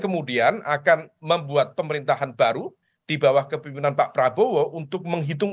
kemudian akan membuat pemerintahan baru di bawah kepimpinan pak prabowo untuk menghitung